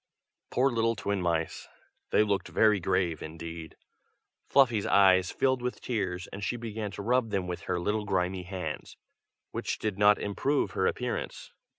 Poor little twin mice! they looked very grave indeed. Fluffy's eyes filled with tears, and she began to rub them with her little grimy hands, which did not improve her appearance.